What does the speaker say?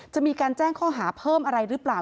จะมีการแจ้งข้อหาเพิ่มอะไรหรือเปล่า